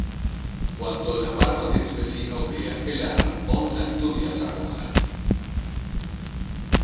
Cuando las barbas de tu vecino veas pelar, pon las tuyas a remojar.